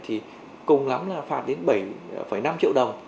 thì cùng lắm là phạt đến bảy năm triệu đồng